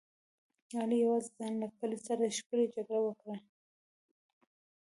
علي یوازې ځان له کلي سره ښکلې جګړه وکړه.